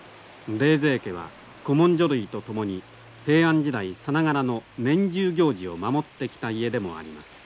冷泉家は古文書類と共に平安時代さながらの年中行事を守ってきた家でもあります。